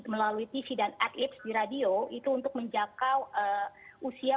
melalui tv dan ad libs di radio itu untuk menjaga usia empat puluh lima tahun